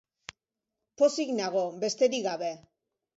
Pozik nago, besterik gabe.